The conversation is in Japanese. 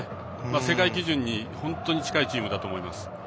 世界基準に本当に近いチームだと思います。